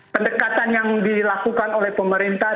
pendekatan yang dilakukan oleh pemerintah